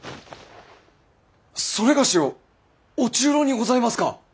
それがしを御中臈にございますか！？